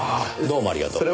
どうもありがとう。